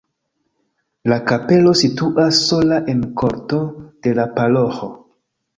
La kapelo situas sola en korto de la paroĥo.